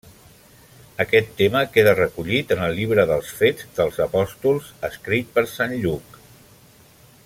Aquest tema queda recollit en el llibre dels Fets dels Apòstols, escrit per sant Lluc.